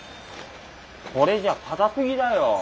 これじゃ硬すぎだよ。